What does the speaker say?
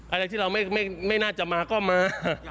อะไรที่เราไม่น่าจะมาก็มา